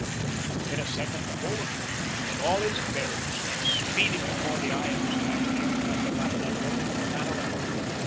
In a second the whole affair, in all its bearings, went speeding before the eye of his imagination like the rapid unrolling of a panorama.